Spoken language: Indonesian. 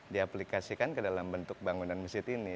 diaplikasikan ke dalam bentuk bangunan masjid ini